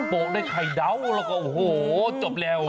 โกะได้ไข่เดาแล้วก็โอ้โหจบเร็ว